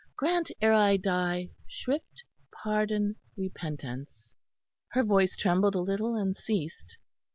Grant ere I die shrift, pardon, repentance." Her voice trembled a little and ceased.